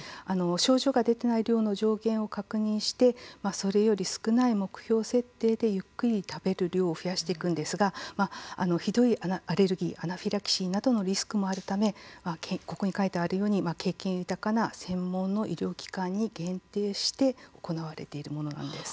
症状が出ていない量の上限を確認してそれより少ない目標設定でゆっくり食べる量を増やしていくんですがひどいアレルギーアナフィラキシーなどのリスクもあるためここに書いてあるように経験豊かな専門の医療機関に限定して行われているものなんです。